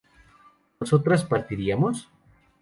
¿nosotras partiríamos?